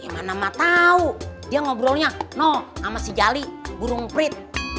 ya mana emak tau dia ngobrolnya no sama si jali burung prit